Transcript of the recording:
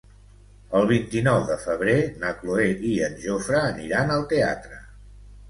El vint-i-nou de febrer na Cloè i en Jofre aniran al teatre.